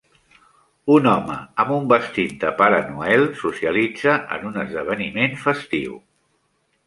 Un home amb un vestit de Pare Noel socialitza en un esdeveniment festiu.